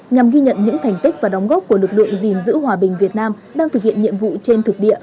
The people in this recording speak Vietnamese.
nhằm ghi nhận những thành tích và đóng góp của lực lượng gìn giữ hòa bình việt nam đang thực hiện nhiệm vụ trên thực địa